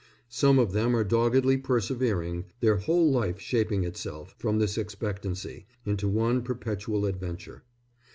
Some of them are doggedly persevering, their whole life shaping itself, from this expectancy, into one perpetual adventure.